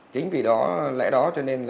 chính vì lẽ đó cho nên